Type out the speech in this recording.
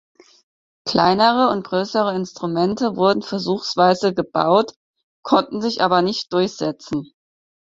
Kleinere und größere Instrumente wurden versuchsweise gebaut, konnten sich aber nicht durchsetzen.